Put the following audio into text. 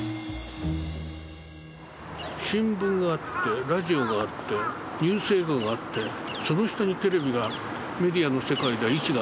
新聞があってラジオがあってニュース映画があってその下にテレビがメディアの世界では位置がありましたでしょ。